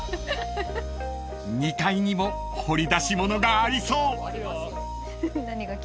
［２階にも掘り出し物がありそう］